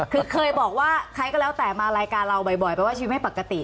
คือเคยบอกว่าใครก็แล้วแต่มารายการเราบ่อยแปลว่าชีวิตไม่ปกติ